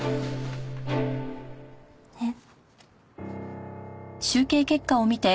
えっ？